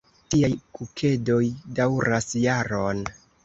Tiaj kuketoj daŭras jaron.